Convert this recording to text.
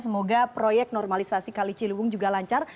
semoga proyek normalisasi kali ciliwung juga lancar